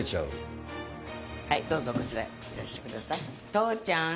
父ちゃん。